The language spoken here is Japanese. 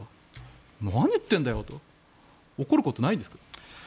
何を言ってるんだよと怒ることはないんですか？